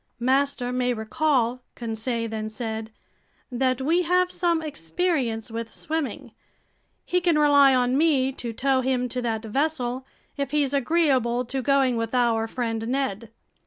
"Master may recall," Conseil then said, "that we have some experience with swimming. He can rely on me to tow him to that vessel, if he's agreeable to going with our friend Ned."